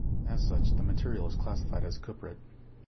As such the material is classified as a cuprate.